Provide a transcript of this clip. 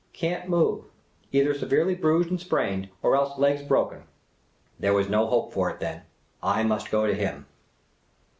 " Can't move. Either severely bruised and sprained, or else legs broken." There was no help for it, then. I must go to him.